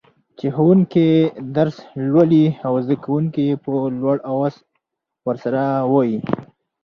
چي ښوونکي درس لولي او زده کوونکي يي په لوړ اواز ورسره وايي.